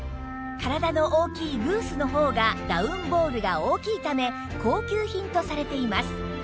体の大きいグースの方がダウンボールが大きいため高級品とされています